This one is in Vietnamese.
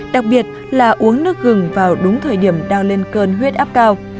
đặc biệt là uống nước gừng vào đúng thời điểm đang lên cơn huyết áp cao